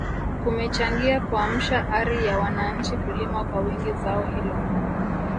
kumechangia kuamsha ari ya wananchi kulima kwa wingi zao hilo